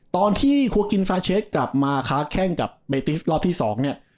ตอนที่คัวกินซาเชฟกลับมาค้าแข้งกับเบติสรอบที่๒เนี่ย